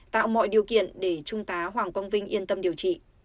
tạo mọi điều kiện để trung tá hoàng quang vinh yên tâm điều trị